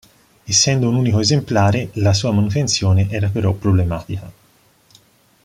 Essendo un unico esemplare la sua manutenzione era però problematica.